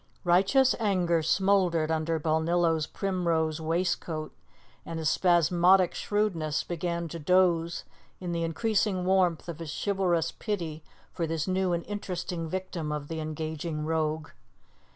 Righteous anger smouldered under Balnillo's primrose waistcoat, and his spasmodic shrewdness began to doze in the increasing warmth of his chivalrous pity for this new and interesting victim of the engaging rogue.